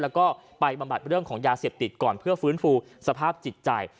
แล้วก็ไปบำบัดเรื่องของยาเสพติดก่อนเพื่อฟื้นฟูสภาพจิตใจ